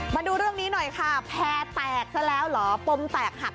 มาดูเรื่องนี้หน่อยค่ะแพร่แตกซะแล้วเหรอปมแตกหัก